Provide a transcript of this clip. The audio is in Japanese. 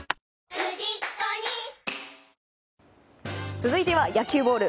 続いては野球ボール。